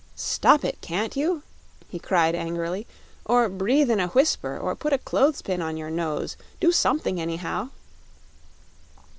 "Stop it, can't you?" he cried angrily; "or breathe in a whisper; or put a clothes pin on your nose. Do something, anyhow!"